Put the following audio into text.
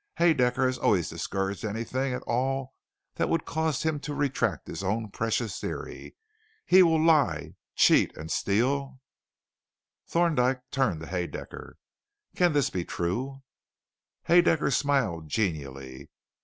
"Haedaecker has always discouraged anything at all that would cause him to retract his own precious theory. He will lie, cheat, and steal " Thorndyke turned to Haedaecker. "Can this be true?" Haedaecker smiled genially.